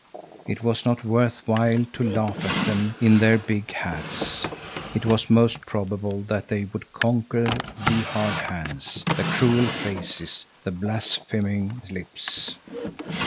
It was not worth while to laugh at them in their big hats. It was most probable that they would conquer the hard hands, the cruel faces, the blaspheming lips.